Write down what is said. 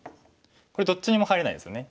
これどっちにも入れないですよね。